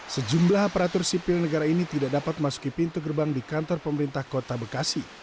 sejumlah aparatur sipil negara ini tidak dapat masuki pintu gerbang di kantor pemerintah kota bekasi